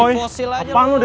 makasih sekolah gue budget